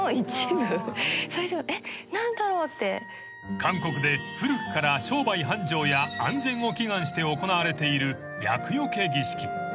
［韓国で古くから商売繁盛や安全を祈願して行われている厄除け儀式］